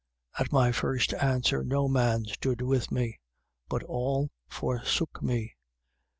4:16. At my first answer, no man stood with me: but all forsook me.